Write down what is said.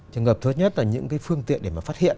trường hợp thứ nhất là những phương tiện để phát hiện